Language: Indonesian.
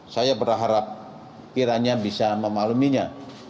saya berharap kiranya bisa memakluminya